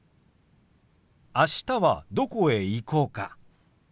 あしたはどこへ行こうか？